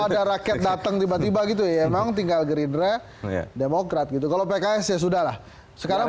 ada rakyat datang tiba tiba gitu ya emang tinggal gerindra demokrat gitu kalau pks ya sudah lah sekarang